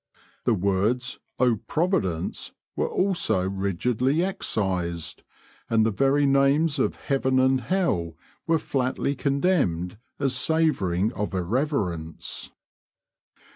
The words "Oh, Providence!" were also rigidly excised, and the very names of heaven and hell were flatly condemned as savouring of irreverence.